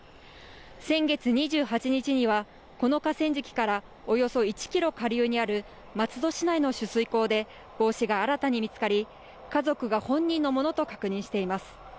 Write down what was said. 先月２８日には、この河川敷からおよそ１キロ下流にある松戸市内の取水口で帽子が新たに見つかり家族が本人のものと確認しています。